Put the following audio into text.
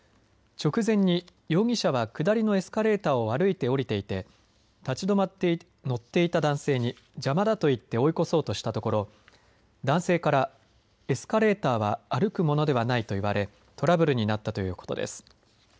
直前に容疑者は、下りのエスカレーターを歩いて降りていて立ち止まって乗っていた男性に邪魔だと言って追い越そうとしたところ男性からエスカレーターは歩くものではないと言われトラブルになったということです。